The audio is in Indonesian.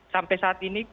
sampai saat ini